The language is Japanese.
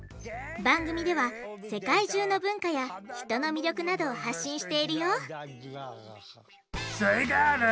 番組では世界中の文化や人の魅力などを発信しているよすイガール